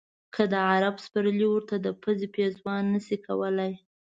د عرب پسرلی ورته د پزې پېزوان نه شي کولای.